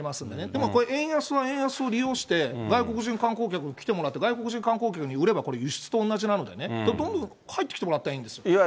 でも、円安は円安を利用して、外国人観光客に来てもらって、外国人観光客に売れば、これ、輸出と同じなんでね、どんどん入ってきてもらったらいいんですよ。